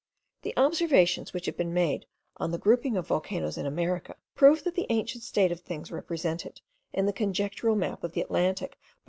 The observations which have been made on the grouping of volcanoes in America, prove that the ancient state of things represented in the conjectural map of the Atlantic by M.